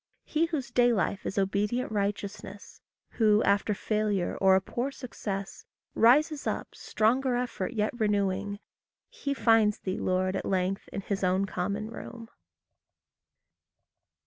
He whose day life is obedient righteousness, Who, after failure, or a poor success, Rises up, stronger effort yet renewing He finds thee, Lord, at length, in his own common room.